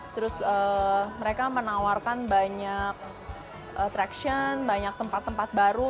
terus mereka menawarkan banyak traction banyak tempat tempat baru